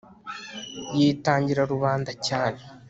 yitangira rubanda cyane